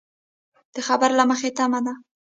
د خبر له مخې تمه ده